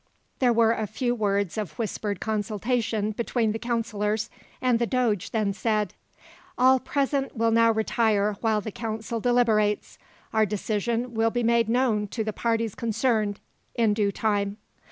There were a few words of whispered consultation between the councillors, and the doge then said: "All present will now retire while the council deliberates. Our decision will be made known to the parties concerned, in due time."